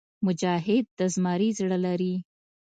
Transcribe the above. مجاهد د زمري زړه لري.